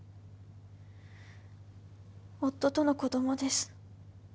夫との子供です。